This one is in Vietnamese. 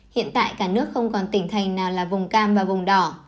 hiện tại cả nước không còn tỉnh thành nào là vùng cam và vùng đỏ